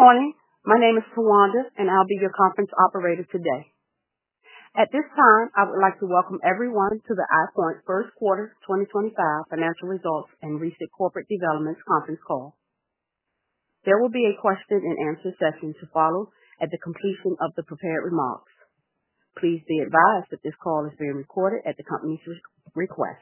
Morning. My name is Towanda, and I'll be your conference operator today. At this time, I would like to welcome everyone to the EyePoint First Quarter 2025 Financial Results and Recent Corporate Developments Conference Call. There will be a Q&A session to follow at the completion of the prepared remarks. Please be advised that this call is being recorded at the company's request.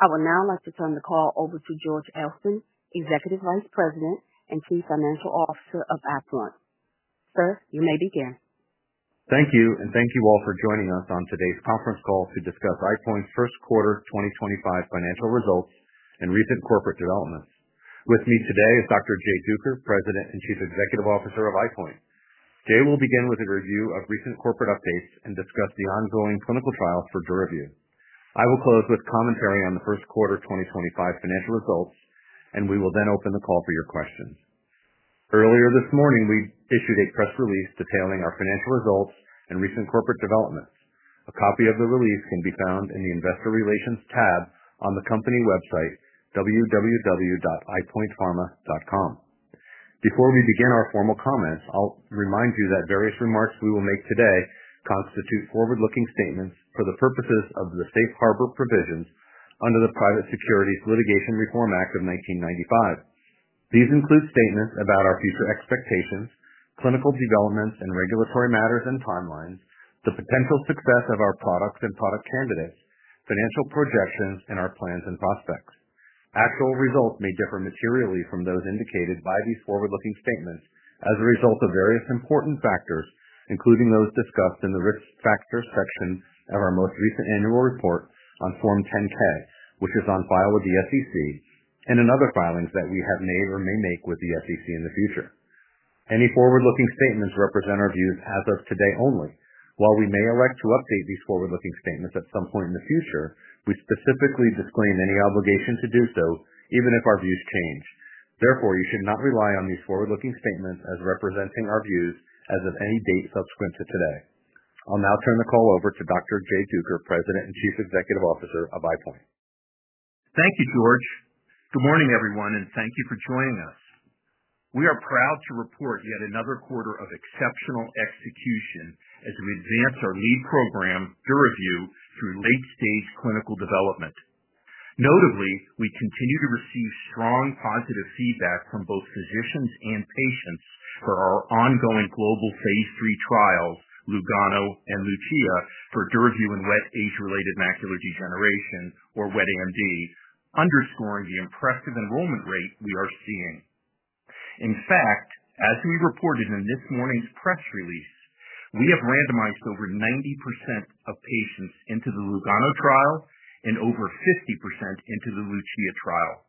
I would now like to turn the call over to George Elston, Executive Vice President and Chief Financial Officer of EyePoint. Sir, you may begin. Thank you, and thank you all for joining us on today's conference call to discuss EyePoint's first quarter 2025 financial results and recent corporate developments. With me today is Dr. Jay Duker, President and Chief Executive Officer of EyePoint. Jay will begin with a review of recent corporate updates and discuss the ongoing clinical trials for DURAVYU. I will close with commentary on the first quarter 2025 financial results, and we will then open the call for your questions. Earlier this morning, we issued a press release detailing our financial results and recent corporate developments. A copy of the release can be found in the Investor Relations tab on the company website, www.eyepointpharma.com. Before we begin our formal comments, I'll remind you that various remarks we will make today constitute forward-looking statements for the purposes of the Safe Harbor Provisions under the Private Securities Litigation Reform Act of 1995. These include statements about our future expectations, clinical developments and regulatory matters and timelines, the potential success of our products and product candidates, financial projections, and our plans and prospects. Actual results may differ materially from those indicated by these forward-looking statements as a result of various important factors, including those discussed in the risk factor section of our most recent annual report on Form 10-K, which is on file with the SEC, and in other filings that we have made or may make with the SEC in the future. Any forward-looking statements represent our views as of today only. While we may elect to update these forward-looking statements at some point in the future, we specifically disclaim any obligation to do so, even if our views change. Therefore, you should not rely on these forward-looking statements as representing our views as of any date subsequent to today. I'll now turn the call over to Dr. Jay Duker, President and Chief Executive Officer of EyePoint. Thank you, George. Good morning, everyone, and thank you for joining us. We are proud to report yet another quarter of exceptional execution as we advance our lead program, DURAVYU, through late-stage clinical development. Notably, we continue to receive strong positive feedback from both physicians and patients for our ongoing global phase III trials, LUGANO and LUCIA, for DURAVYU and wet ge-related macular degeneration, or Wet AMD, underscoring the impressive enrollment rate we are seeing. In fact, as we reported in this morning's press release, we have randomized over 90% of patients into the LUGANO trial and over 50% into the LUCIA trial.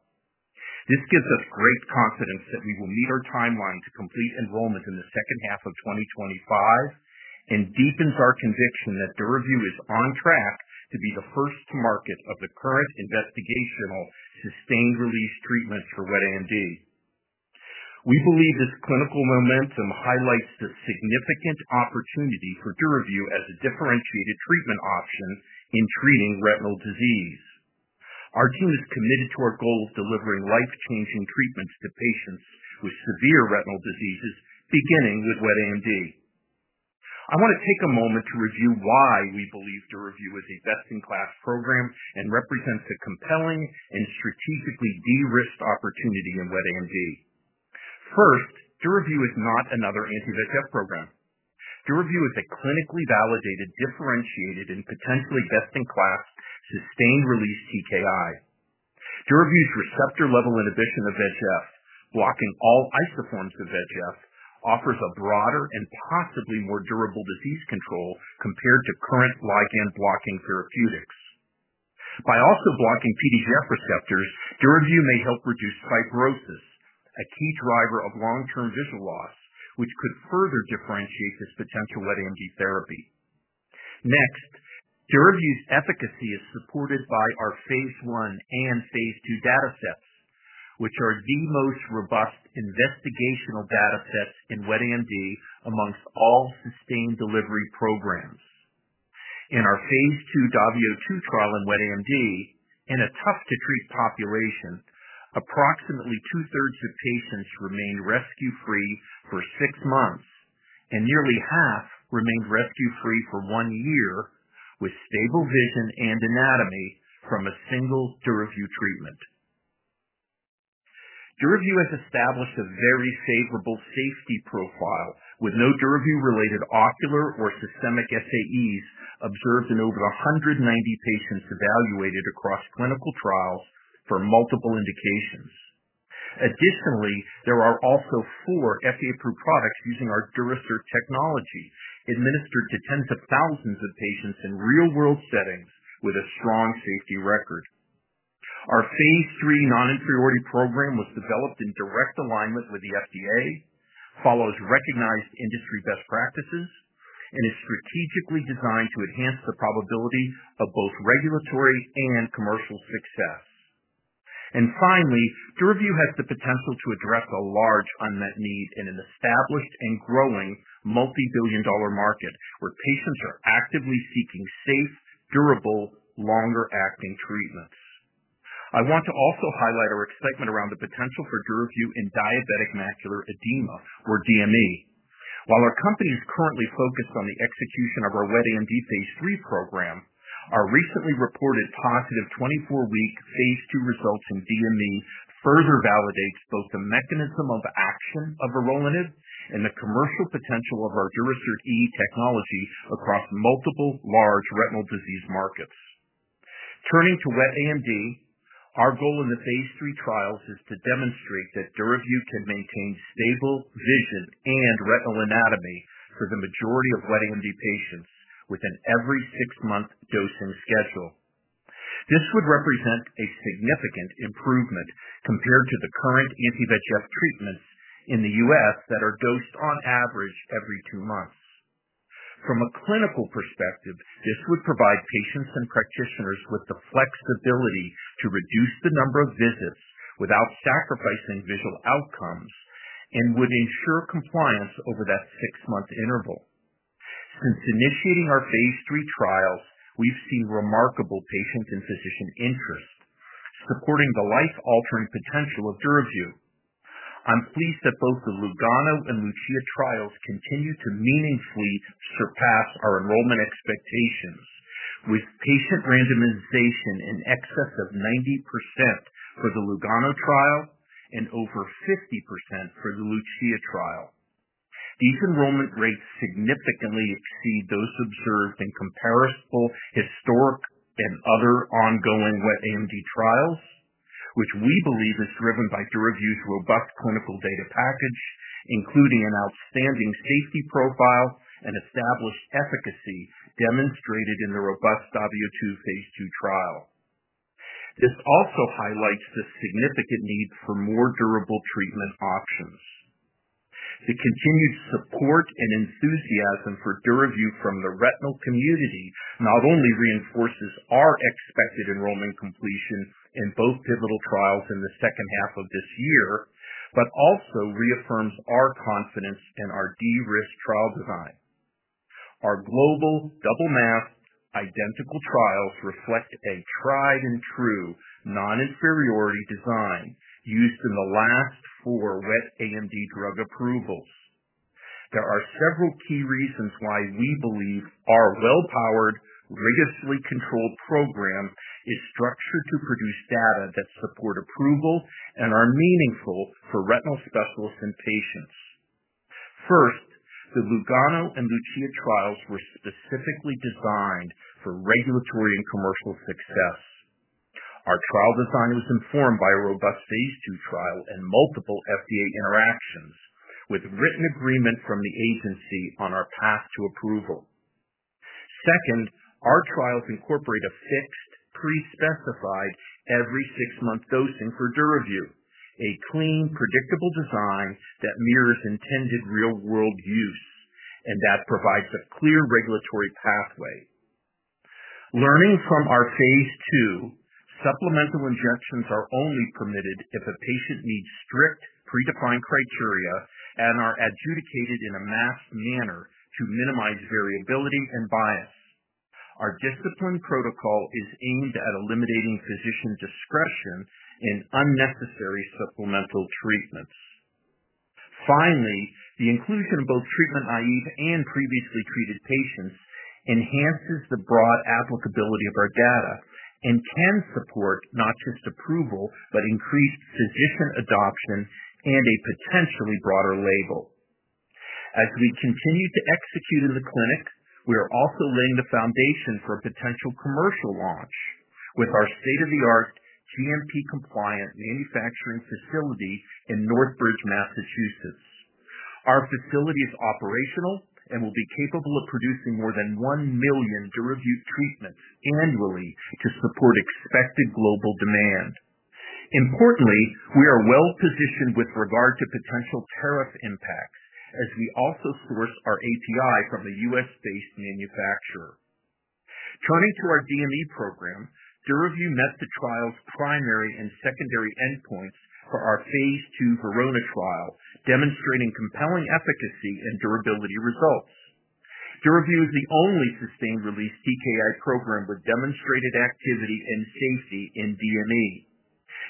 This gives us great confidence that we will meet our timeline to complete enrollment in the second half of 2025 and deepens our conviction that DURAVYU is on track to be the first to market of the current investigational sustained-release treatments for Wet AMD. We believe this clinical momentum highlights the significant opportunity for DURAVYU as a differentiated treatment option in treating retinal disease. Our team is committed to our goal of delivering life-changing treatments to patients with severe retinal diseases, beginning with Wet AMD. I want to take a moment to review why we believe DURAVYU is a best-in-class program and represents a compelling and strategically de-risked opportunity in Wet AMD. First, DURAVYU is not another anti-VEGF program. DURAVYU is a clinically validated, differentiated, and potentially best-in-class sustained-release TKI. DURAVYU's receptor-level inhibition of VEGF, blocking all isoforms of VEGF, offers a broader and possibly more durable disease control compared to current ligand-blocking therapeutics. By also blocking PDGF receptors, DURAVYU may help reduce fibrosis, a key driver of long-term vision loss, which could further differentiate this potential Wet AMD therapy. Next, DURAVYU's efficacy is supported by our phase I and phase II data sets, which are the most robust investigational data sets in Wet AMD amongst all sustained delivery programs. In our phase II Davio 2 trial in Wet AMD, in a tough-to-treat population, approximately two-thirds of patients remained rescue-free for six months, and nearly half remained rescue-free for one year with stable vision and anatomy from a single DURAVYU treatment. DURAVYU has established a very favorable safety profile with no DURAVYU-related ocular or systemic SAEs observed in over 190 patients evaluated across clinical trials for multiple indications. Additionally, there are also four FDA-approved products using our Durasert technology administered to tens of thousands of patients in real-world settings with a strong safety record. Our phase III non-inferiority program was developed in direct alignment with the FDA, follows recognized industry best practices, and is strategically designed to enhance the probability of both regulatory and commercial success. DURAVYU has the potential to address a large unmet need in an established and growing multi-billion-dollar market where patients are actively seeking safe, durable, longer-acting treatments. I want to also highlight our excitement around the potential for DURAVYU in diabetic macular edema, or DME. While our company is currently focused on the execution of our Wet AMD phase III program, our recently reported positive 24-week phase II results in DME further validate both the mechanism of action of vorolanib and the commercial potential of our Durasert E technology across multiple large retinal disease markets. Turning to Wet AMD, our goal in the phase III trials is to demonstrate that DURAVYU can maintain stable vision and retinal anatomy for the majority of Wet AMD patients with an every six month dosing schedule. This would represent a significant improvement compared to the current anti-VEGF treatments in the U.S. that are dosed on average every two months. From a clinical perspective, this would provide patients and practitioners with the flexibility to reduce the number of visits without sacrificing visual outcomes and would ensure compliance over that six-month interval. Since initiating our phase III trials, we've seen remarkable patient and physician interest supporting the life-altering potential of DURAVYU. I'm pleased that both the LUGANO and LUCIA trials continue to meaningfully surpass our enrollment expectations, with patient randomization in excess of 90% for the LUGANO trial and over 50% for the LUCIA trial. These enrollment rates significantly exceed those observed in comparable historic and other ongoing Wet AMD trials, which we believe is driven by DURAVYU's robust clinical data package, including an outstanding safety profile and established efficacy demonstrated in the robust DAVIO 2 phase II trial. This also highlights the significant need for more durable treatment options. The continued support and enthusiasm for DURAVYU from the retinal community not only reinforces our expected enrollment completion in both pivotal trials in the second half of this year, but also reaffirms our confidence in our de-risked trial design. Our global double-masked identical trials reflect a tried-and-true non-inferiority design used in the last four Wet AMD drug approvals. There are several key reasons why we believe our well-powered, rigorously controlled program is structured to produce data that support approval and are meaningful for retinal specialists and patients. First, the LUGANO and LUCIA trials were specifically designed for regulatory and commercial success. Our trial design was informed by a robust phase II trial and multiple FDA interactions, with written agreement from the agency on our path to approval. Second, our trials incorporate a fixed, pre-specified, every-six-month dosing for DURAVYU, a clean, predictable design that mirrors intended real-world use and that provides a clear regulatory pathway. Learning from our phase II, supplemental injections are only permitted if a patient meets strict pre-defined criteria and are adjudicated in a masked manner to minimize variability and bias. Our disciplined protocol is aimed at eliminating physician discretion in unnecessary supplemental treatments. Finally, the inclusion of both treatment-naive and previously treated patients enhances the broad applicability of our data and can support not just approval, but increased physician adoption and a potentially broader label. As we continue to execute in the clinic, we are also laying the foundation for a potential commercial launch with our state-of-the-art GMP-compliant manufacturing facility in Northbridge, Massachusetts. Our facility is operational and will be capable of producing more than 1 million DURAVYU treatments annually to support expected global demand. Importantly, we are well-positioned with regard to potential tariff impacts as we also source our API from a U.S.-based manufacturer. Turning to our DME program, DURAVYU met the trial's primary and secondary endpoints for our phase II VERONA trial, demonstrating compelling efficacy and durability results. DURAVYU is the only sustained-release TKI program with demonstrated activity and safety in DME.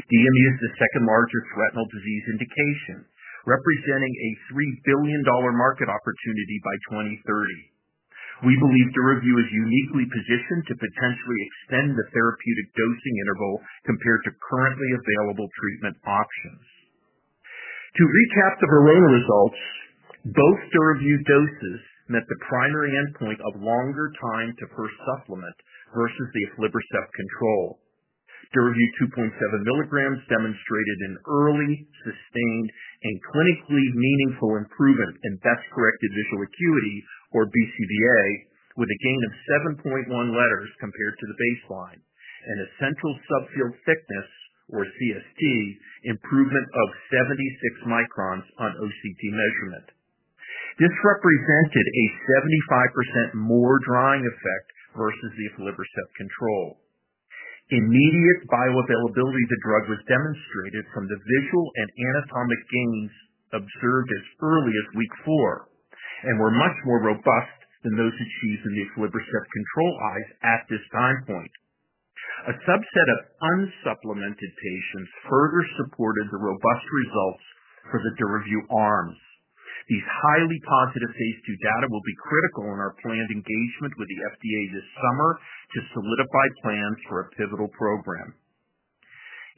DME is the second-largest retinal disease indication, representing a $3 billion market opportunity by 2030. We believe DURAVYU is uniquely positioned to potentially extend the therapeutic dosing interval compared to currently available treatment options. To recap the VERONA results, both DURAVYU doses met the primary endpoint of longer time to first supplement versus the aflibercept control. DURAVYU 2.7 mg demonstrated an early, sustained, and clinically meaningful improvement in best-corrected visual acuity, or BCVA, with a gain of 7.1 letters compared to the baseline and a central subfield thickness, or CST, improvement of 76 microns on OCT measurement. This represented a 75% more drying effect versus the aflibercept control. Immediate bioavailability of the drug was demonstrated from the visual and anatomic gains observed as early as week four and were much more robust than those achieved in the aflibercept control eyes at this time point. A subset of unsupplemented patients further supported the robust results for the DURAVYU arms. These highly positive phase II data will be critical in our planned engagement with the FDA this summer to solidify plans for a pivotal program.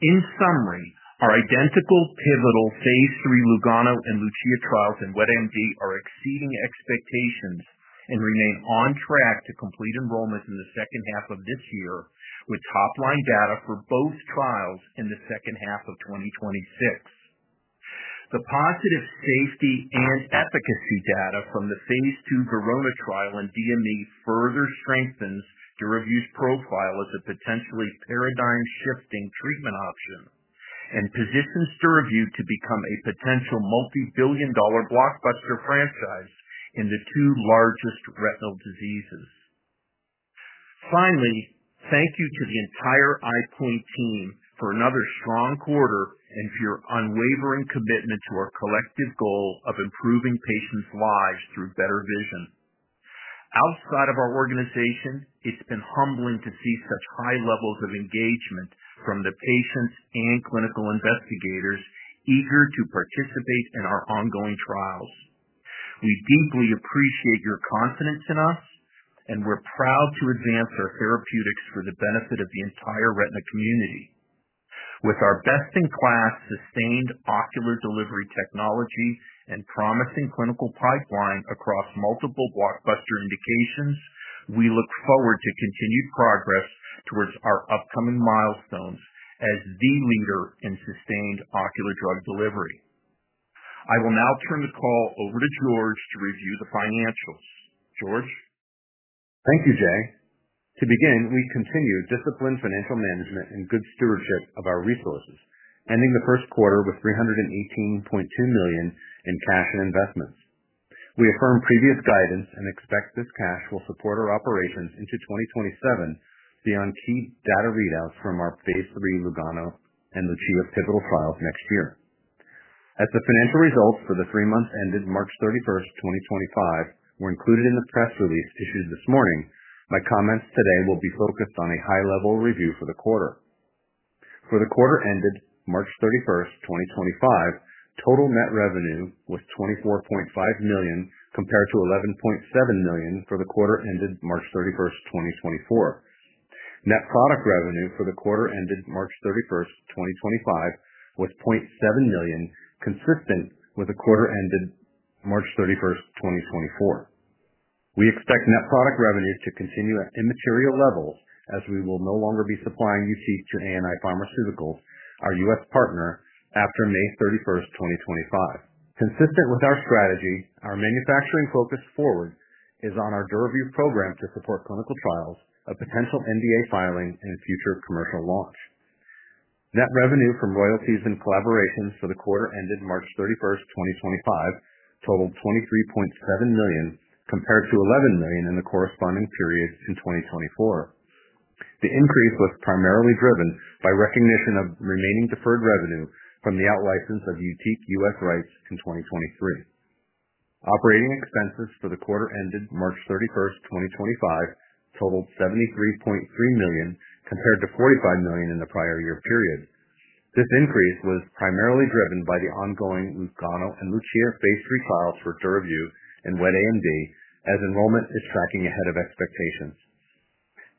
In summary, our identical pivotal phase III LUGANO and LUCIA trials in Wet AMD are exceeding expectations and remain on track to complete enrollment in the second half of this year with top-line data for both trials in the second half of 2026. The positive safety and efficacy data from the phase II VERONA trial in DME further strengthens DURAVYU's profile as a potentially paradigm-shifting treatment option and positions DURAVYU to become a potential multi-billion-dollar blockbuster franchise in the two largest retinal diseases. Finally, thank you to the entire EyePoint team for another strong quarter and for your unwavering commitment to our collective goal of improving patients' lives through better vision. Outside of our organization, it's been humbling to see such high levels of engagement from the patients and clinical investigators eager to participate in our ongoing trials. We deeply appreciate your confidence in us, and we're proud to advance our therapeutics for the benefit of the entire retina community. With our best-in-class sustained ocular delivery technology and promising clinical pipeline across multiple blockbuster indications, we look forward to continued progress towards our upcoming milestones as the leader in sustained ocular drug delivery. I will now turn the call over to George to review the financials. George? Thank you, Jay. To begin, we continue disciplined financial management and good stewardship of our resources, ending the first quarter with $318.2 million in cash and investments. We affirm previous guidance and expect this cash will support our operations into 2027 beyond key data readouts from our phase III LUGANO and LUCIA pivotal trials next year. As the financial results for the three months ended March 31st 2025, were included in the press release issued this morning, my comments today will be focused on a high-level review for the quarter. For the quarter ended March 31st 2025, total net revenue was $24.5 million compared to $11.7 million for the quarter ended March 31st 2024. Net product revenue for the quarter ended March 31st 2025, was $0.7 million, consistent with the quarter ended March 31st 2024. We expect net product revenue to continue at immaterial levels as we will no longer be supplying YUTIQ to ANI Pharmaceuticals, our U.S. partner, after May 31st 2025. Consistent with our strategy, our manufacturing focus forward is on our DURAVYU program to support clinical trials, a potential NDA filing, and future commercial launch. Net revenue from royalties and collaborations for the quarter ended March 31st 2025, totaled $23.7 million compared to $11 million in the corresponding period in 2024. The increase was primarily driven by recognition of remaining deferred revenue from the outlicense of YUTIQ U.S. rights in 2023. Operating expenses for the quarter ended March 31st 2025, totaled $73.3 million compared to $45 million in the prior year period. This increase was primarily driven by the ongoing LUGANO and LUCIA phase III trials for DURAVYU and Wet AMD, as enrollment is tracking ahead of expectations.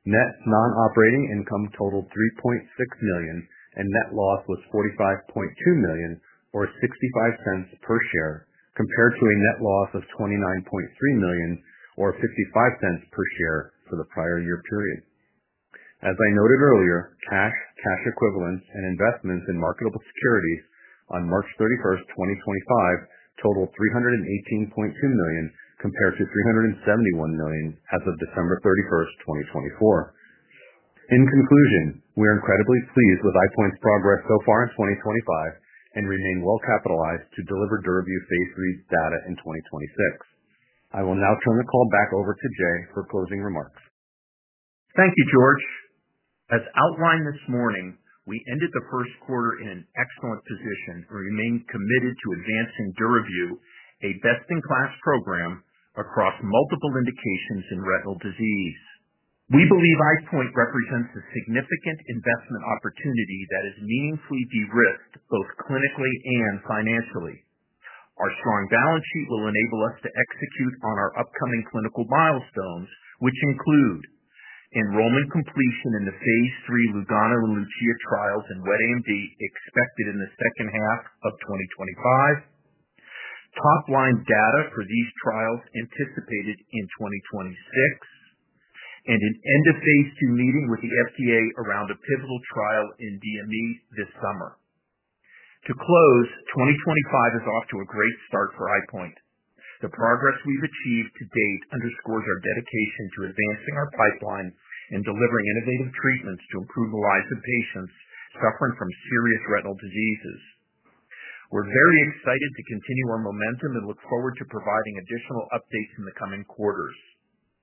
Net non-operating income totaled $3.6 million, and net loss was $45.2 million, or $0.65 per share, compared to a net loss of $29.3 million, or $0.55 per share for the prior year period. As I noted earlier, cash, cash equivalents, and investments in marketable securities on March 31st 2025, totaled $318.2 million compared to $371 million as of December 31st 2024. In conclusion, we are incredibly pleased with EyePoint's progress so far in 2025 and remain well-capitalized to deliver DURAVYU phase III data in 2026. I will now turn the call back over to Jay for closing remarks. Thank you, George. As outlined this morning, we ended the first quarter in an excellent position and remain committed to advancing DURAVYU, a best-in-class program across multiple indications in retinal disease. We believe EyePoint represents a significant investment opportunity that is meaningfully de-risked both clinically and financially. Our strong balance sheet will enable us to execute on our upcoming clinical milestones, which include enrollment completion in the phase III LUGANO and LUCIA trials in Wet AMD expected in the second half of 2025, top-line data for these trials anticipated in 2026, and an end-of-phase II meeting with the FDA around a pivotal trial in DME this summer. To close, 2025 is off to a great start for EyePoint. The progress we've achieved to date underscores our dedication to advancing our pipeline and delivering innovative treatments to improve the lives of patients suffering from serious retinal diseases. We're very excited to continue our momentum and look forward to providing additional updates in the coming quarters.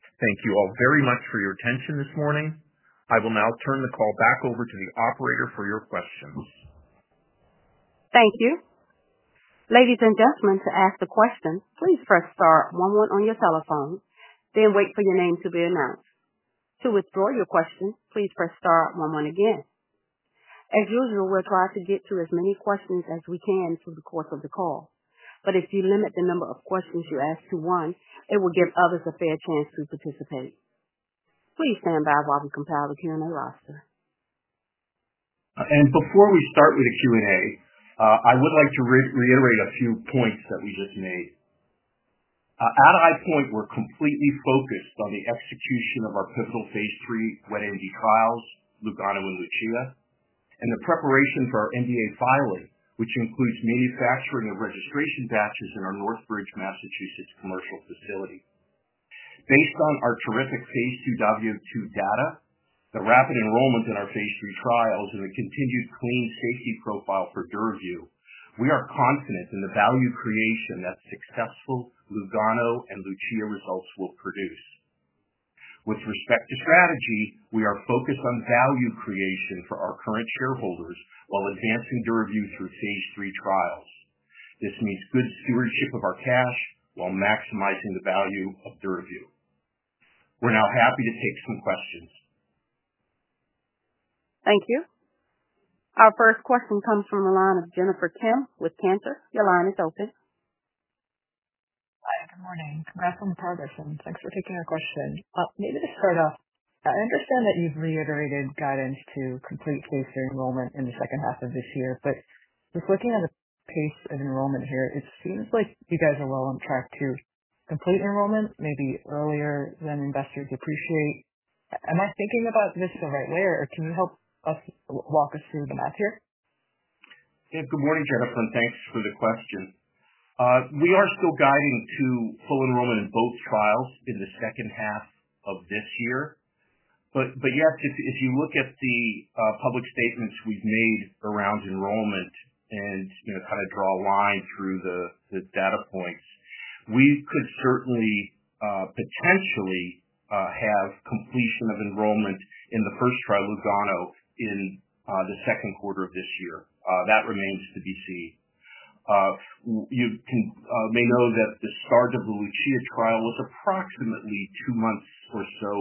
Thank you all very much for your attention this morning. I will now turn the call back over to the operator for your questions. Thank you. Ladies and gentlemen, to ask a question, please press star one one on your telephone, then wait for your name to be announced. To withdraw your question, please press star one one again. As usual, we'll try to get to as many questions as we can through the course of the call. If you limit the number of questions you ask to one, it will give others a fair chance to participate. Please stand by while we compile the Q&A roster. Before we start with the Q&A, I would like to reiterate a few points that we just made. At EyePoint, we're completely focused on the execution of our pivotal phase III Wet AMD trials, LUGANO and LUCIA, and the preparation for our NDA filing, which includes manufacturing of registration batches in our Northbridge, Massachusetts commercial facility. Based on our terrific phase II W2 data, the rapid enrollment in our phase III trials, and the continued clean safety profile for DURAVYU, we are confident in the value creation that successful LUGANO and LUCIA results will produce. With respect to strategy, we are focused on value creation for our current shareholders while advancing DURAVYU through phase III trials. This means good stewardship of our cash while maximizing the value of DURAVYU. We're now happy to take some questions. Thank you. Our first question comes from the line of Jennifer Kim with Cantor. Your line is open. Hi. Good morning. Congrats on the progress, and thanks for taking our question. Maybe to start off, I understand that you've reiterated guidance to complete phase III enrollment in the second half of this year, but just looking at the pace of enrollment here, it seems like you guys are well on track to complete enrollment, maybe earlier than investors appreciate. Am I thinking about this the right way, or can you help us walk us through the math here? Good morning, Jennifer, and thanks for the question. We are still guiding to full enrollment in both trials in the second half of this year. Yes, if you look at the public statements we've made around enrollment and kind of draw a line through the data points, we could certainly potentially have completion of enrollment in the first trial, LUGANO, in the second quarter of this year. That remains to be seen. You may know that the start of the LUCIA trial was approximately two months or so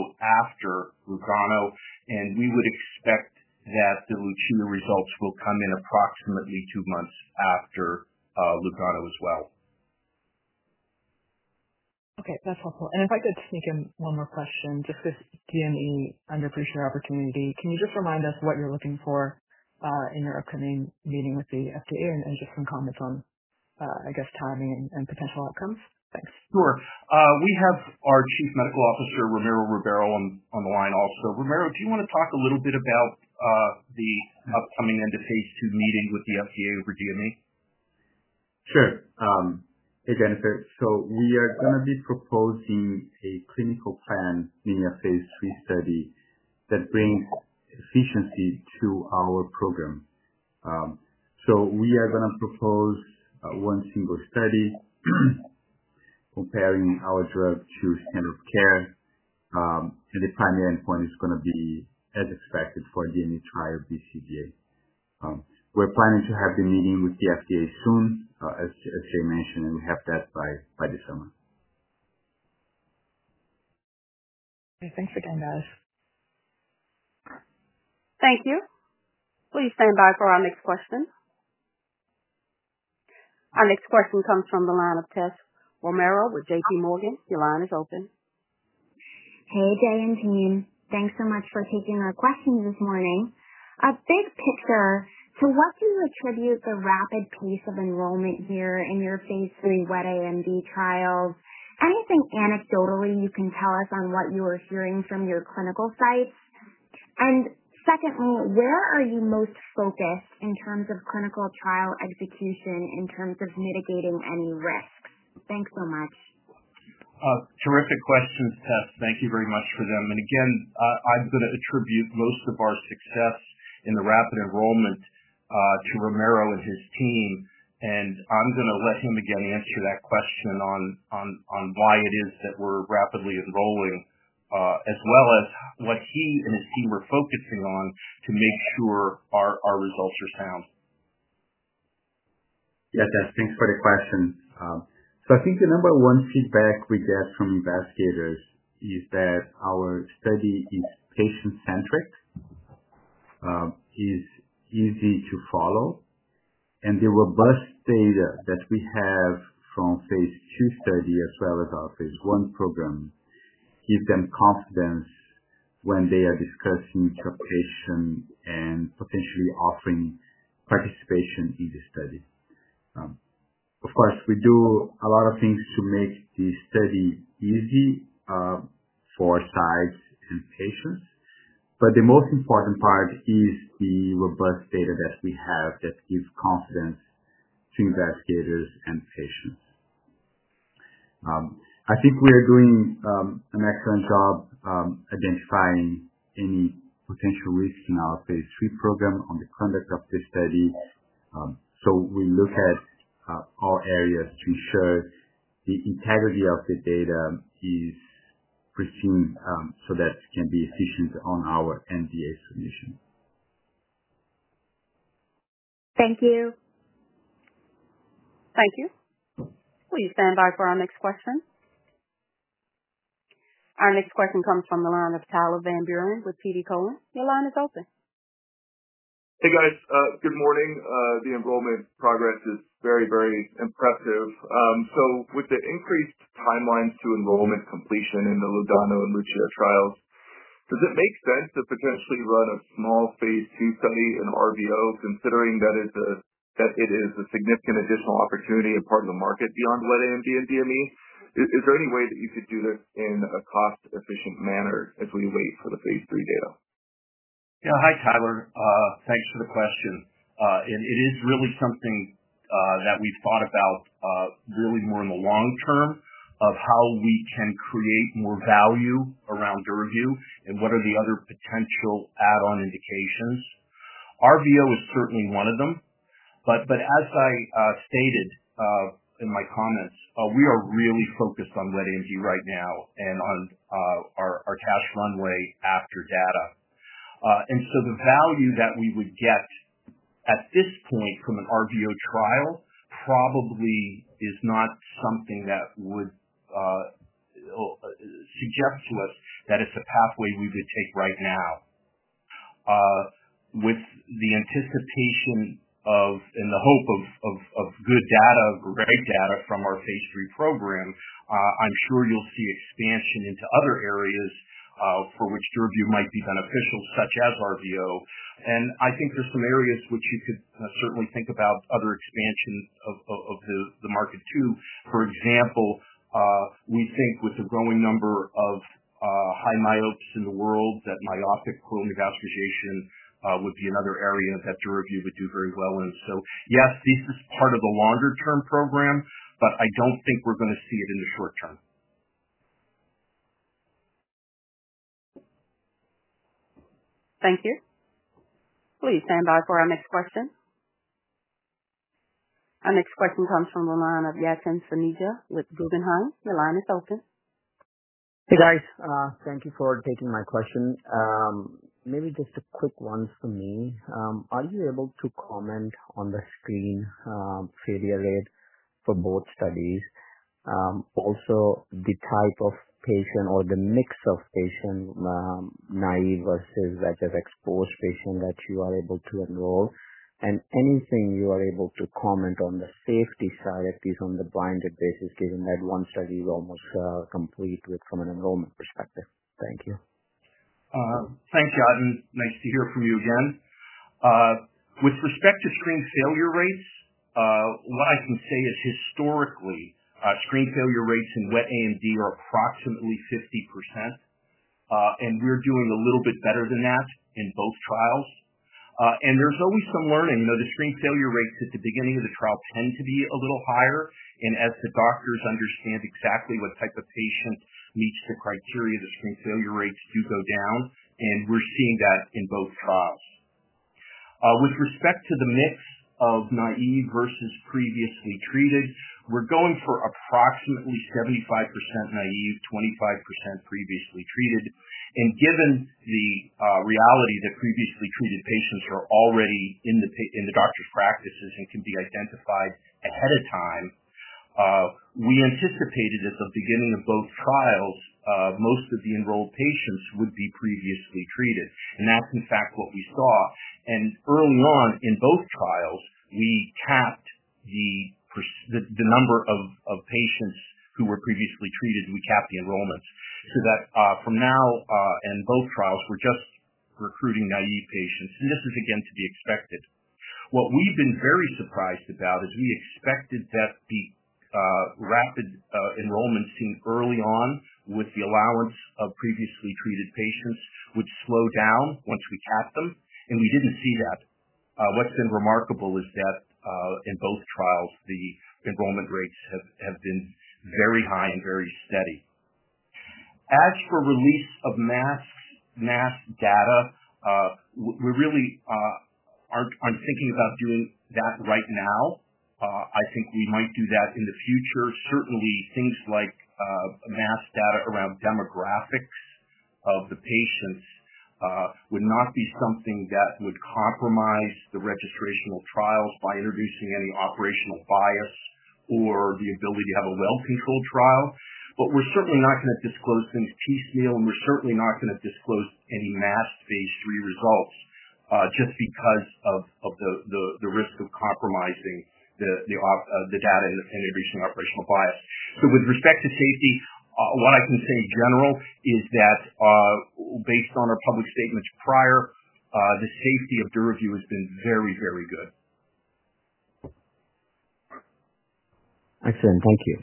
after LUGANO, and we would expect that the LUCIA results will come in approximately two months after LUGANO as well. Okay. That's helpful. If I could sneak in one more question, just because DME is an underappreciated opportunity, can you just remind us what you're looking for in your upcoming meeting with the FDA and just some comments on, I guess, timing and potential outcomes? Thanks. Sure. We have our Chief Medical Officer, Romero Rivero, on the line also. Romero, do you want to talk a little bit about the upcoming end-of-phase II meeting with the FDA over DME? Sure. Hey, Jennifer. We are going to be proposing a clinical plan in a phase III study that brings efficiency to our program. We are going to propose one single study comparing our drug to standard of care, and the primary endpoint is going to be, as expected, for DME trial BCVA. We're planning to have the meeting with the FDA soon, as Jay mentioned, and we have that by this summer. Okay. Thanks again, guys. Thank you. Please stand by for our next question. Our next question comes from the line of Tess Romero with JPMorgan. Your line is open. Hey, Jay and team. Thanks so much for taking our questions this morning. Big picture, to what do you attribute the rapid pace of enrollment here in your phase III Wet AMD trials? Anything anecdotally you can tell us on what you are hearing from your clinical sites? Secondly, where are you most focused in terms of clinical trial execution, in terms of mitigating any risks? Thanks so much. Terrific questions, Tess. Thank you very much for them. I am going to attribute most of our success in the rapid enrollment to Romero and his team, and I am going to let him again answer that question on why it is that we are rapidly enrolling, as well as what he and his team were focusing on to make sure our results are sound. Yeah, Tess, thanks for the question. I think the number one feedback we get from investigators is that our study is patient-centric, is easy to follow, and the robust data that we have from phase II study as well as our phase I program gives them confidence when they are discussing to a patient and potentially offering participation in the study. Of course, we do a lot of things to make the study easy for sites and patients, but the most important part is the robust data that we have that gives confidence to investigators and patients. I think we are doing an excellent job identifying any potential risk in our phase III program on the conduct of the study. We look at all areas to ensure the integrity of the data is pristine so that it can be efficient on our NDA submission. Thank you. Thank you. Please stand by for our next question. Our next question comes from the line of Tyler Van Buren with TD Cowen. Your line is open. Hey, guys. Good morning. The enrollment progress is very, very impressive. With the increased timelines to enrollment completion in the LUGANO and LUCIA trials, does it make sense to potentially run a small phase II study in RVO, considering that it is a significant additional opportunity and part of the market beyond Wet AMD and DME? Is there any way that you could do this in a cost-efficient manner as we wait for the phase III data? Yeah. Hi, Tyler. Thanks for the question. It is really something that we've thought about really more in the long term of how we can create more value around DURAVYU and what are the other potential add-on indications. RVO is certainly one of them. As I stated in my comments, we are really focused on Wet AMD right now and on our cash runway after data. The value that we would get at this point from an RVO trial probably is not something that would suggest to us that it is a pathway we would take right now. With the anticipation and the hope of good data, right data from our phase III program, I am sure you will see expansion into other areas for which DURAVYU might be beneficial, such as RVO. I think there are some areas which you could certainly think about other expansion of the market too. For example, we think with the growing number of high myopes in the world that myopic choroidal neovascularization would be another area that DURAVYU would do very well in. Yes, this is part of the longer-term program, but I do not think we are going to see it in the short term. Thank you. Please stand by for our next question. Our next question comes from the line of Yatin Suneja with Guggenheim. Your line is open. Hey, guys. Thank you for taking my question. Maybe just a quick one for me. Are you able to comment on the screen failure rate for both studies? Also, the type of patient or the mix of patient, naive versus that just exposed patient that you are able to enroll? Anything you are able to comment on the safety side at least on the blinded basis, given that one study is almost complete from an enrollment perspective. Thank you. Thanks, Yatin. Nice to hear from you again. With respect to screen failure rates, what I can say is historically, screen failure rates in Wet AMD are approximately 50%, and we're doing a little bit better than that in both trials. There's always some learning. The screen failure rates at the beginning of the trial tend to be a little higher, and as the doctors understand exactly what type of patient meets the criteria, the screen failure rates do go down, and we're seeing that in both trials. With respect to the mix of naive versus previously treated, we're going for approximately 75% naive, 25% previously treated. Given the reality that previously treated patients are already in the doctor's practices and can be identified ahead of time, we anticipated at the beginning of both trials, most of the enrolled patients would be previously treated. That is, in fact, what we saw. Early on in both trials, we capped the number of patients who were previously treated, we capped the enrollments. From now in both trials, we're just recruiting naive patients. This is, again, to be expected. What we've been very surprised about is we expected that the rapid enrollment seen early on with the allowance of previously treated patients would slow down once we capped them, and we didn't see that. What's been remarkable is that in both trials, the enrollment rates have been very high and very steady. As for release of mask data, we really aren't thinking about doing that right now. I think we might do that in the future. Certainly, things like mask data around demographics of the patients would not be something that would compromise the registrational trials by introducing any operational bias or the ability to have a well-controlled trial. We're certainly not going to disclose things piecemeal, and we're certainly not going to disclose any masked phase III results just because of the risk of compromising the data and introducing operational bias. With respect to safety, what I can say in general is that based on our public statements prior, the safety of DURAVYU has been very, very good. Excellent. Thank you.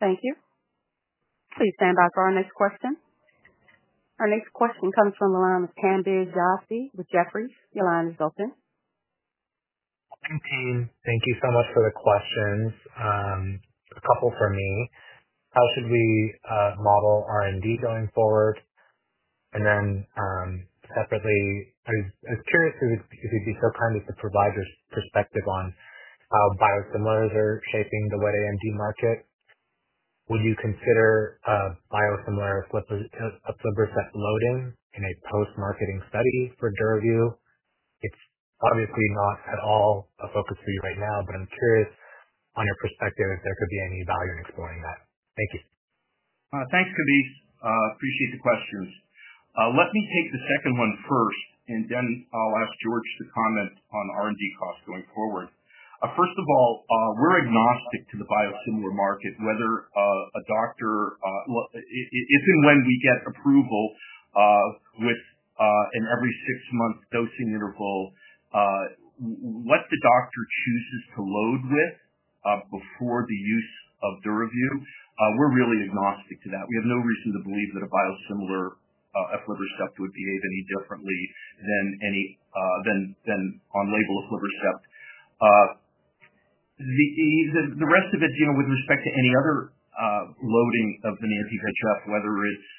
Thank you. Please stand by for our next question. Our next question comes from the line of Kambiz Yazdi with Jefferies. Your line is open. Thank you. Thank you so much for the questions. A couple for me. How should we model R&D going forward? Then separately, I was curious if you'd be so kind as to provide your perspective on how biosimilars are shaping the Wet AMD market. Would you consider biosimilars a flipper set loading in a post-marketing study for DURAVYU? It's obviously not at all a focus for you right now, but I'm curious on your perspective if there could be any value in exploring that. Thank you. Thanks, Kambiz. Appreciate the questions. Let me take the second one first, and then I'll ask George to comment on R&D costs going forward. First of all, we're agnostic to the biosimilar market, whether a doctor, if and when we get approval with an every six-month dosing interval, what the doctor chooses to load with before the use of DURAVYU, we're really agnostic to that. We have no reason to believe that a biosimilar aflibercept would behave any differently than on-label aflibercept. The rest of it, with respect to any other loading of the anti-VEGF, whether it's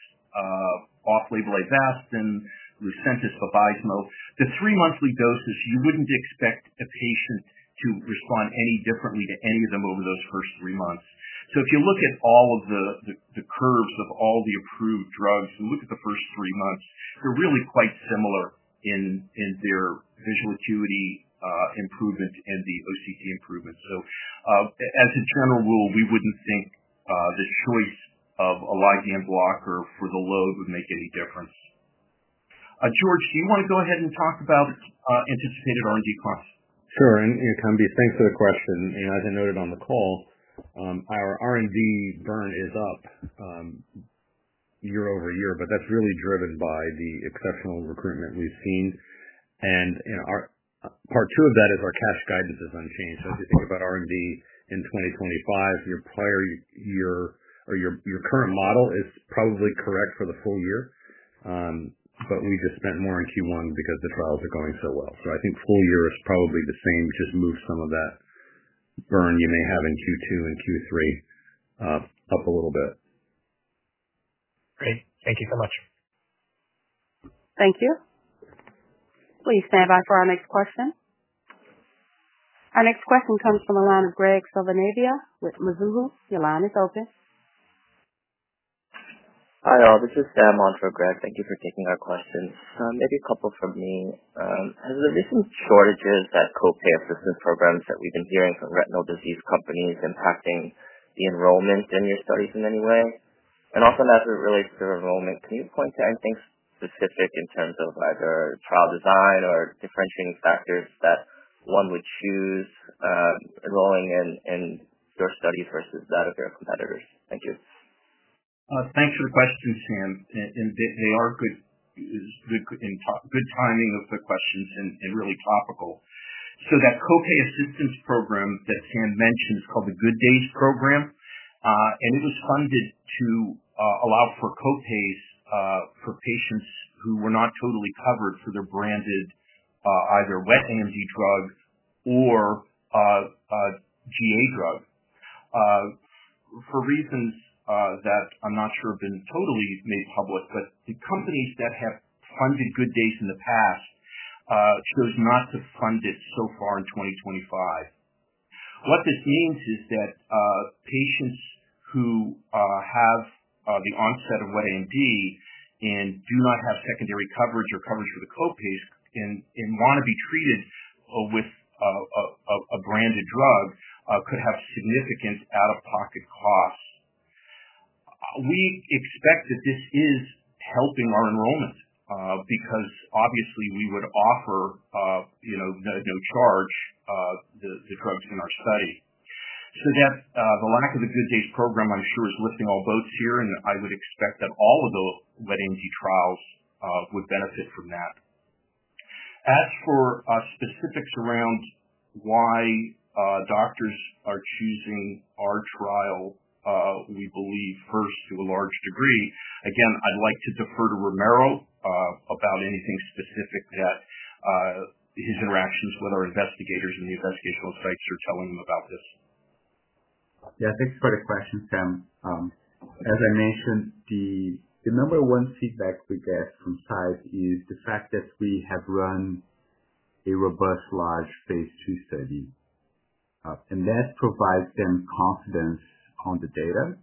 off-label Avastin, Lucentis, Vabysmo, the three-monthly doses, you wouldn't expect a patient to respond any differently to any of them over those first three months. If you look at all of the curves of all the approved drugs and look at the first three months, they're really quite similar in their visual acuity improvement and the OCT improvement. As a general rule, we wouldn't think the choice of a ligand blocker for the load would make any difference. George, do you want to go ahead and talk about anticipated R&D costs? Sure. And Tanbiz, thanks for the question. As I noted on the call, our R&D burn is up year-over-year, but that's really driven by the exceptional recruitment we've seen. Part two of that is our cash guidance is unchanged. If you think about R&D in 2025, your prior year or your current model is probably correct for the full year, but we just spent more in Q1 because the trials are going so well. I think full year is probably the same, just move some of that burn you may have in Q2 and Q3 up a little bit. Great. Thank you so much. Thank you. Please stand by for our next question. Our next question comes from the line of Graig Suvannavejh with Mizuho. Your line is open. Hi, all. This is Sam on for Graig. Thank you for taking our questions. Maybe a couple from me. Has there been some shortages at co-pay assistance programs that we have been hearing from retinal disease companies impacting the enrollment in your studies in any way? Often, as it relates to enrollment, can you point to anything specific in terms of either trial design or differentiating factors that one would choose enrolling in your studies versus that of your competitors? Thank you. Thanks for the question, Sam. They are good timing of the questions and really topical. That co-pay assistance program that Sam mentioned is called the Good Days program, and it was funded to allow for co-pays for patients who were not totally covered for their branded either Wet AMD drug or GA drug. For reasons that I'm not sure have been totally made public, but the companies that have funded Good Days in the past chose not to fund it so far in 2025. What this means is that patients who have the onset of Wet AMD and do not have secondary coverage or coverage for the co-pays and want to be treated with a branded drug could have significant out-of-pocket costs. We expect that this is helping our enrollment because obviously we would offer no charge the drugs in our study. The lack of the Good Days program, I'm sure, is lifting all boats here, and I would expect that all of the Wet AMD trials would benefit from that. As for specifics around why doctors are choosing our trial, we believe first to a large degree. Again, I'd like to defer to Romero about anything specific that his interactions with our investigators and the investigational sites are telling him about this. Yeah. Thanks for the question, Sam. As I mentioned, the number one feedback we get from sites is the fact that we have run a robust large phase II study. That provides them confidence on the data,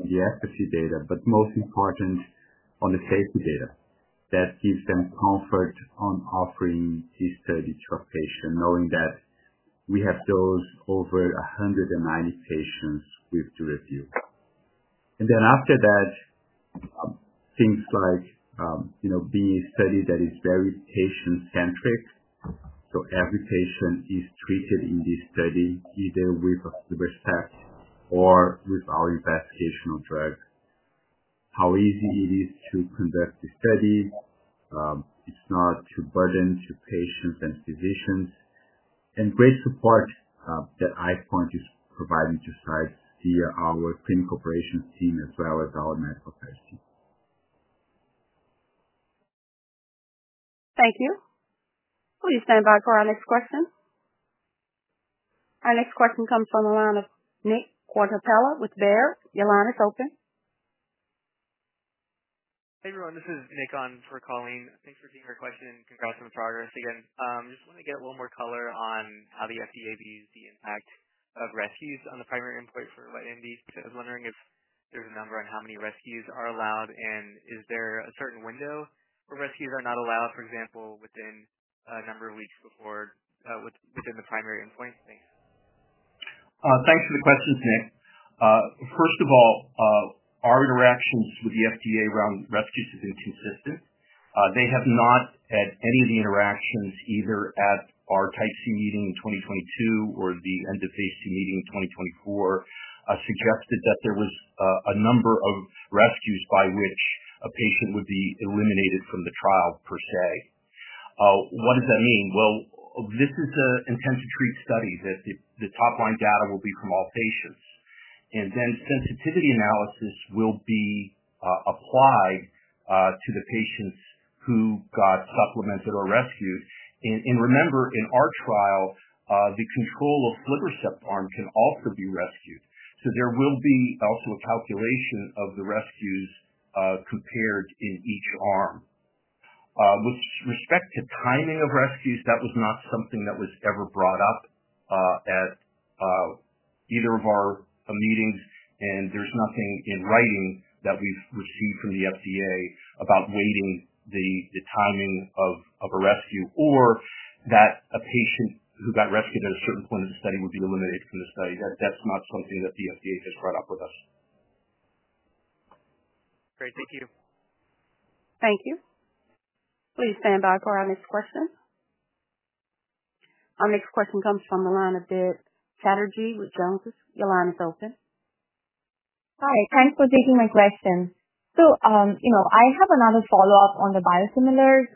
the efficacy data, but most important on the safety data. That gives them comfort on offering this study to a patient, knowing that we have those over 190 patients with DURAVYU. After that, things like being a study that is very patient-centric, so every patient is treated in this study either with a flipper set or with our investigational drug. How easy it is to conduct the study. It is not too burdensome to patients and physicians. Great support that EyePoint is providing to sites via our clinical operations team as well as our medical therapy. Thank you. Please stand by for our next question. Our next question comes from the line of Nick Quartapella with Bear. Your line is open. Hey, everyone. This is Nick on for Colleen. Thanks for taking our question and congrats on the progress again. Just want to get a little more color on how the FDA views the impact of rescues on the primary endpoint for Wet AMD. I was wondering if there's a number on how many rescues are allowed, and is there a certain window where rescues are not allowed, for example, within a number of weeks before within the primary endpoint? Thanks Thanks for the questions, Nick. First of all, our interactions with the FDA around rescues have been consistent. They have not had any of the interactions either at our Type C meeting in 2022 or the end of phase II meeting in 2024 suggested that there was a number of rescues by which a patient would be eliminated from the trial per se. What does that mean? This is an intent-to-treat study that the top-line data will be from all patients. Sensitivity analysis will be applied to the patients who got supplemented or rescued. Remember, in our trial, the control aflibercept arm can also be rescued. There will be also a calculation of the rescues compared in each arm. With respect to timing of rescues, that was not something that was ever brought up at either of our meetings, and there is nothing in writing that we have received from the FDA about weighting the timing of a rescue or that a patient who got rescued at a certain point of the study would be eliminated from the study. That is not something that the FDA has brought up with us. Great. Thank you. Thank you. Please stand by for our next question. Our next question comes from the line of Deb Chatterjee with Jones. Your line is open. Hi. Thanks for taking my question. I have another follow-up on the biosimilars.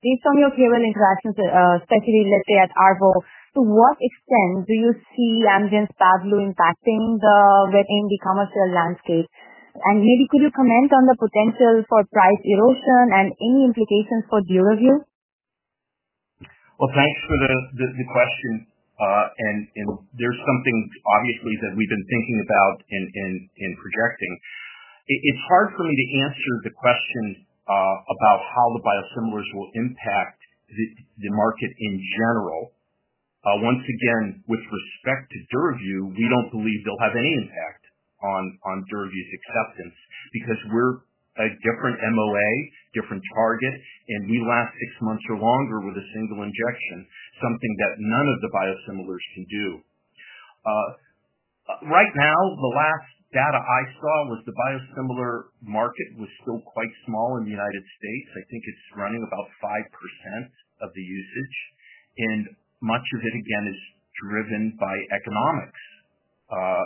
Based on your peer interactions, especially, let's say, at ARVO, to what extent do you see Amgen's value impacting the Wet AMD commercial landscape? Maybe could you comment on the potential for price erosion and any implications for DURAVYU? Thanks for the question. There's something obviously that we've been thinking about and projecting. It's hard for me to answer the question about how the biosimilars will impact the market in general. Once again, with respect to DURAVYU, we don't believe they'll have any impact on DURAVYU's acceptance because we're a different MOA, different target, and we last six months or longer with a single injection, something that none of the biosimilars can do. Right now, the last data I saw was the biosimilar market was still quite small in the U.S. I think it's running about 5% of the usage. Much of it, again, is driven by economics,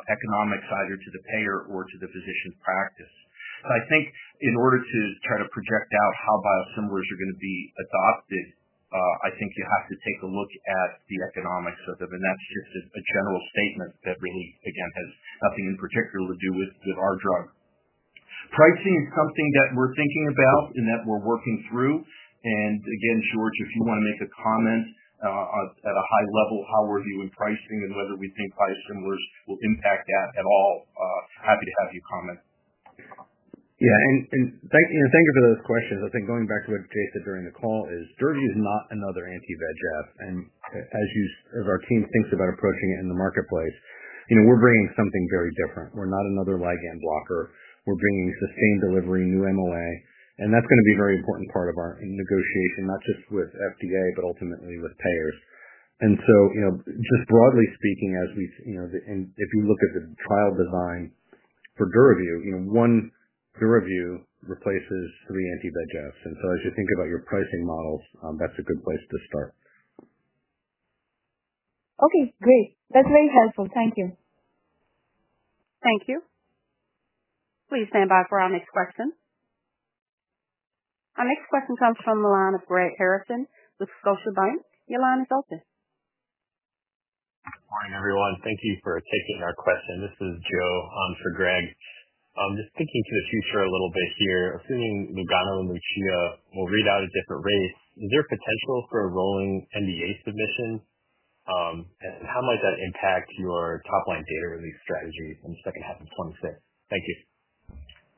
economics either to the payer or to the physician practice. I think in order to try to project out how biosimilars are going to be adopted, you have to take a look at the economics of them. That is just a general statement that really, again, has nothing in particular to do with our drug. Pricing is something that we are thinking about and that we are working through. Again, George, if you want to make a comment at a high level, how are you in pricing and whether we think biosimilars will impact that at all, happy to have you comment. Yeah. Thank you for those questions. I think going back to what Jay said during the call is DURAVYU is not another anti-VEGF. As our team thinks about approaching it in the marketplace, we are bringing something very different. We are not another ligand blocker. We're bringing sustained delivery, new MOA, and that's going to be a very important part of our negotiation, not just with FDA, but ultimately with payers. Just broadly speaking, if you look at the trial design for DURAVYU, one DURAVYU replaces three anti-VEGFs. As you think about your pricing models, that's a good place to start. Okay. Great. That's very helpful. Thank you. Thank you. Please stand by for our next question. Our next question comes from the line of Greg Harrison with Scotiabank. Your line is open. Good morning, everyone. Thank you for taking our question. This is Joe on for Greg. Just thinking to the future a little bit here, assuming LUGANO and LUCIA will read out at different rates, is there potential for a rolling NDA submission? How might that impact your top-line data release strategy on the second half of 2026? Thank you.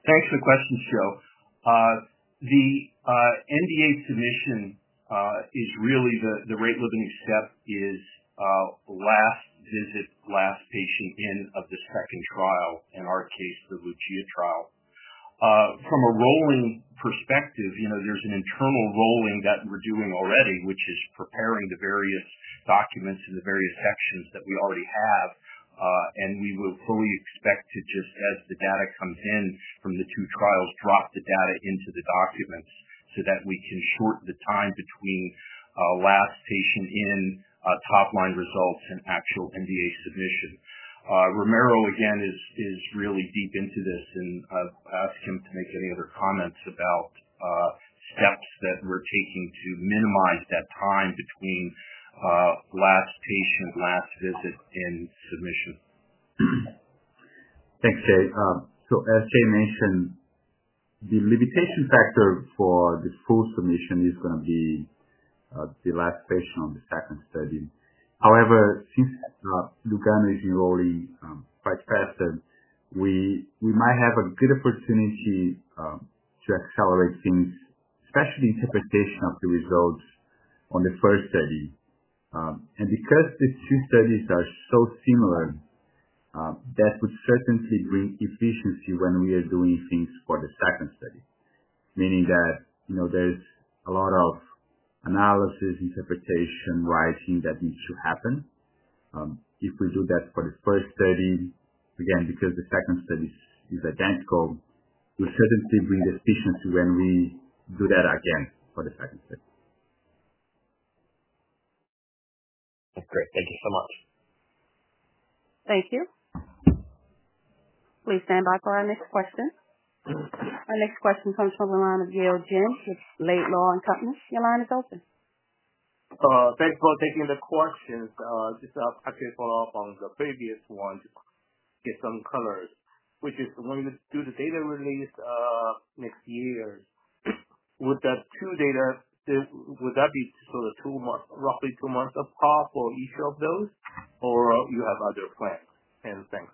Thanks for the question, Joe. The NDA submission is really the rate-limiting step, is last visit, last patient in of the second trial, in our case, the LUCIA trial. From a rolling perspective, there's an internal rolling that we're doing already, which is preparing the various documents and the various sections that we already have. We will fully expect to, just as the data comes in from the two trials, drop the data into the documents so that we can shorten the time between last patient in, top-line results, and actual NDA submission. Romero, again, is really deep into this, and I'll ask him to make any other comments about steps that we're taking to minimize that time between last patient, last visit, and submission. Thanks, Jay. As Jay mentioned, the limitation factor for the full submission is going to be the last patient on the second study. However, since LUGANO is enrolling quite fast, we might have a good opportunity to accelerate things, especially the interpretation of the results on the first study. Because the two studies are so similar, that would certainly bring efficiency when we are doing things for the second study, meaning that there's a lot of analysis, interpretation, writing that needs to happen. If we do that for the first study, again, because the second study is identical, we'll certainly bring efficiency when we do that again for the second study. That's great. Thank you so much. Thank you. Please stand by for our next question. Our next question comes from the line of Yale Jen with Laidlaw & Cuompany. Your line is open. Thanks for taking the question. Just actually follow up on the previous one to get some colors, which is when we do the data release next year, would that two data would that be sort of two months, roughly two months apart for each of those, or you have other plans? And thanks.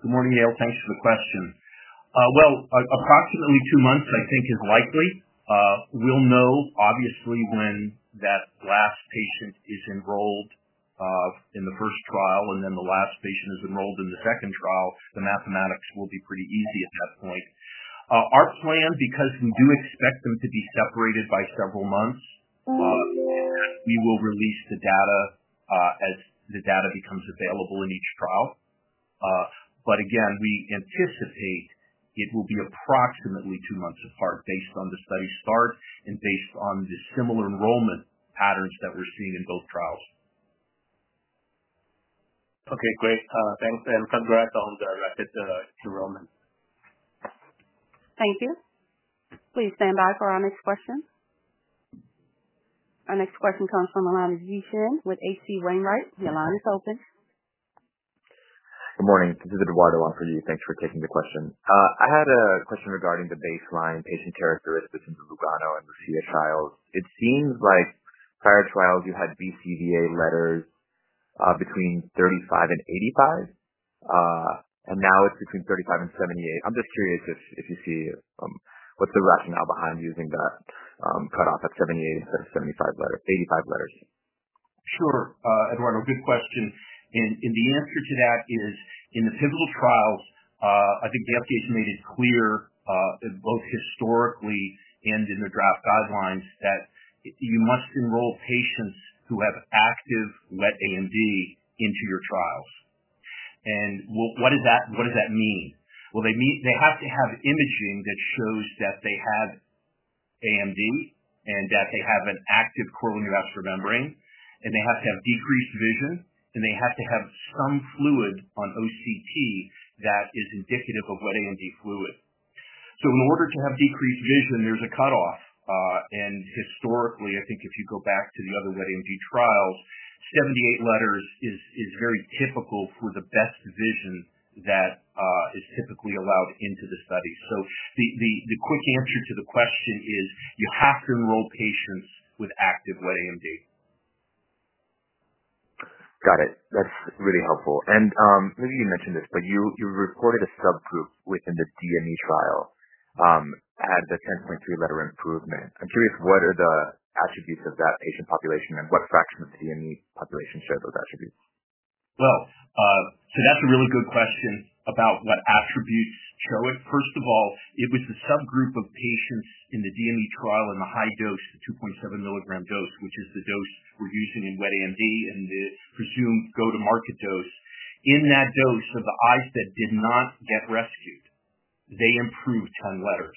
Good morning, Yale. Thanks for the question. Approximately two months, I think, is likely. We'll know, obviously, when that last patient is enrolled in the first trial and then the last patient is enrolled in the second trial. The mathematics will be pretty easy at that point. Our plan, because we do expect them to be separated by several months, is that we will release the data as the data becomes available in each trial. Again, we anticipate it will be approximately two months apart based on the study start and based on the similar enrollment patterns that we're seeing in both trials. Okay. Great. Thanks. And congrats on the rapid enrollment. Thank you. Please stand by for our next question. Our next question comes from the line of Yi Chen with H.C. Wainwright. Your line is open. Good morning. This is Eduardo on for Yi. Thanks for taking the question. I had a question regarding the baseline patient characteristics in the LUGANO and LUCIA trials. It seems like prior trials you had BCVA letters between 35 and 85, and now it's between 35 and 78. I'm just curious if you see what's the rationale behind using that cutoff at 78 instead of 85 letters. Sure. Eduardo, good question. The answer to that is, in the pivotal trials, I think the FDA has made it clear, both historically and in their draft guidelines, that you must enroll patients who have active Wet AMD into your trials. What does that mean? They have to have imaging that shows that they have AMD and that they have an active choroidal neovascular membrane, and they have to have decreased vision, and they have to have some fluid on OCT that is indicative of Wet AMD fluid. In order to have decreased vision, there is a cutoff. Historically, I think if you go back to the other Wet AMD trials, 78 letters is very typical for the best vision that is typically allowed into the study. The quick answer to the question is you have to enroll patients with active Wet AMD. Got it. That's really helpful. Maybe you mentioned this, but you reported a subgroup within the DME trial had the 10.3 letter improvement. I'm curious, what are the attributes of that patient population, and what fraction of the DME population share those attributes? That's a really good question about what attributes show it. First of all, it was the subgroup of patients in the DME trial in the high dose, the 2.7 mg dose, which is the dose we're using in Wet AMD and the presumed go-to-market dose. In that dose of the i-STED did not get rescued. They improved 10 letters.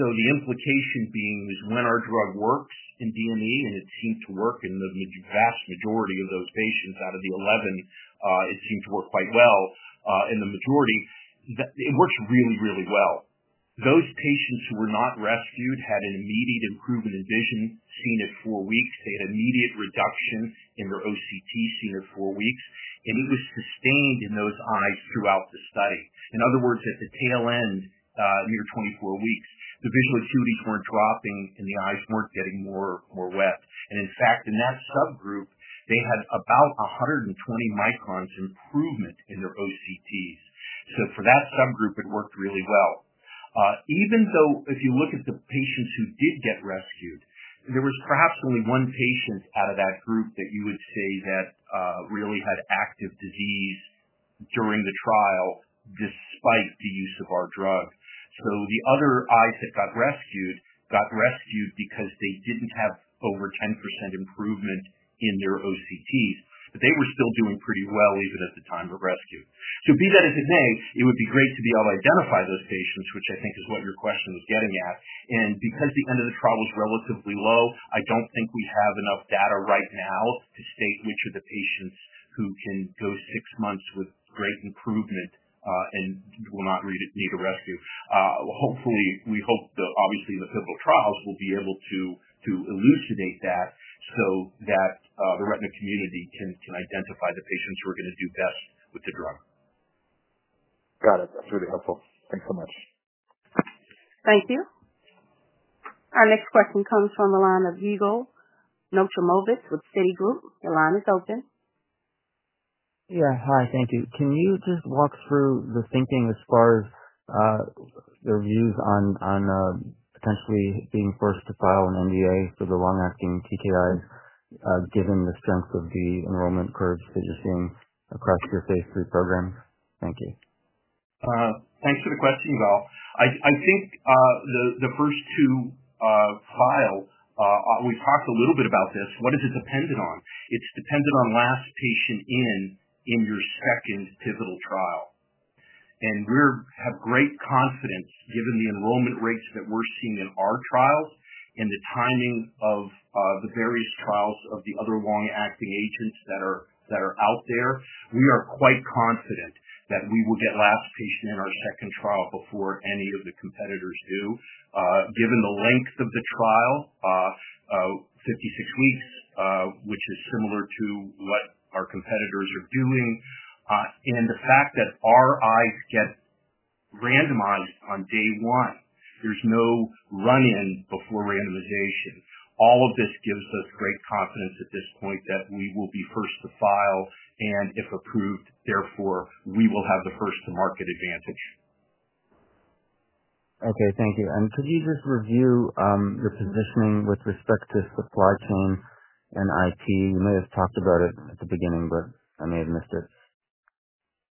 The implication being is when our drug works in DME, and it seemed to work in the vast majority of those patients out of the 11, it seemed to work quite well in the majority. It works really, really well. Those patients who were not rescued had an immediate improvement in vision, seen at four weeks. They had immediate reduction in their OCT, seen at four weeks. It was sustained in those eyes throughout the study. In other words, at the tail end, near 24 weeks, the visual acuities were not dropping and the eyes were not getting more wet. In fact, in that subgroup, they had about 120 microns improvement in their OCTs. For that subgroup, it worked really well. Even though if you look at the patients who did get rescued, there was perhaps only one patient out of that group that you would say really had active disease during the trial despite the use of our drug. The other eyes that got rescued got rescued because they did not have over 10% improvement in their OCTs. They were still doing pretty well even at the time of rescue. Be that as it may, it would be great to be able to identify those patients, which I think is what your question was getting at. Because the end of the trial was relatively low, I do not think we have enough data right now to state which are the patients who can go six months with great improvement and will not need a rescue. Hopefully, we hope that obviously the pivotal trials will be able to elucidate that so that the retina community can identify the patients who are going to do best with the drug. Got it. That is really helpful. Thanks so much. Thank you. Our next question comes from the line of Yigal Nochomovitz with Citigroup. Your line is open. Yeah. Hi. Thank you. Can you just walk through the thinking as far as their views on potentially being forced to file an NDA for the long-acting TKIs given the strength of the enrollment curves that you're seeing across your phase three programs? Thank you. Thanks for the question, Yigal. I think the first to file, we've talked a little bit about this. What is it dependent on? It's dependent on last patient in in your second pivotal trial. We have great confidence given the enrollment rates that we're seeing in our trials and the timing of the various trials of the other long-acting agents that are out there. We are quite confident that we will get last patient in our second trial before any of the competitors do, given the length of the trial, 56 weeks, which is similar to what our competitors are doing. The fact that our eyes get randomized on day one, there's no run-in before randomization. All of this gives us great confidence at this point that we will be first to file, and if approved, therefore we will have the first-to-market advantage. Thank you. Could you just review the positioning with respect to supply chain and IT? You may have talked about it at the beginning, but I may have missed it.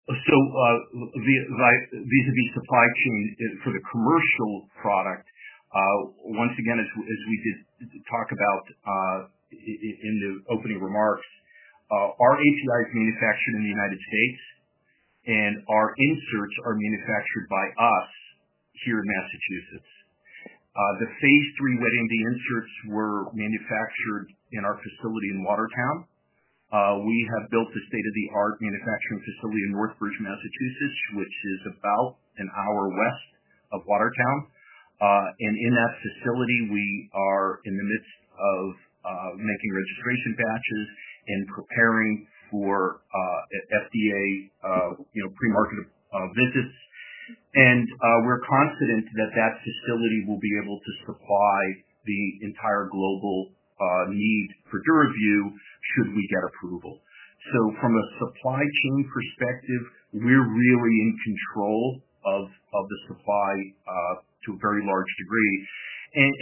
Vis-à-vis supply chain for the commercial product, once again, as we did talk about in the opening remarks, our API is manufactured in the U.S., and our inserts are manufactured by us here in Massachusetts. The phase III Wet AMD inserts were manufactured in our facility in Watertown. We have built the state-of-the-art manufacturing facility in Northbridge, Massachusetts, which is about an hour west of Watertown. In that facility, we are in the midst of making registration batches and preparing for FDA pre-market visits. We are confident that that facility will be able to supply the entire global need for DURAVYU should we get approval. From a supply chain perspective, we are really in control of the supply to a very large degree.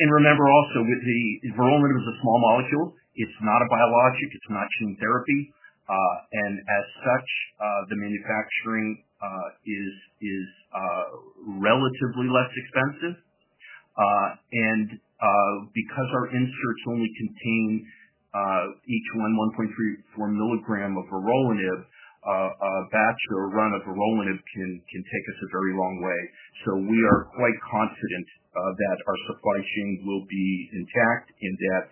Remember also, with the enrollment, it was a small molecule. It is not a biologic. It is not gene therapy. As such, the manufacturing is relatively less expensive. Because our inserts only contain each one 1.34 mg of vorolanib, a batch or a run of vorolanib can take us a very long way. We are quite confident that our supply chain will be intact and that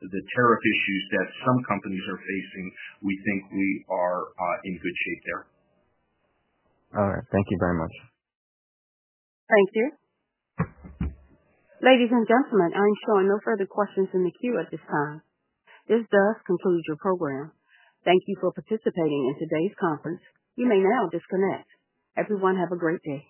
the tariff issues that some companies are facing, we think we are in good shape there. All right. Thank you very much. Thank you. Ladies and gentlemen, I ensure no further questions in the queue at this time. This does conclude your program. Thank you for participating in today's conference. You may now disconnect. Everyone, have a great day.